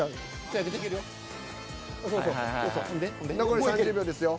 残り３０秒ですよ。